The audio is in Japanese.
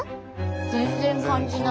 全然感じない。